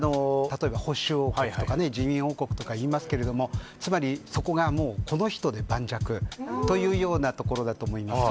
例えば保守王国とか自民王国とか言いますけれどもつまりそこがもうこの人で盤石というようなところだと思います